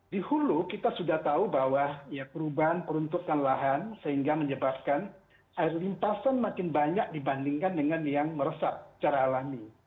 di hulu kita sudah tahu bahwa perubahan peruntukan lahan sehingga menyebabkan air limpasan makin banyak dibandingkan dengan yang meresap secara alami